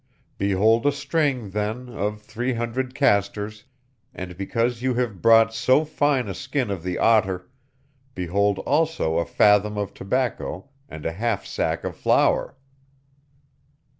Behold a string, then, of three hundred 'castors,' and because you have brought so fine a skin of the otter, behold also a fathom of tobacco and a half sack of flour."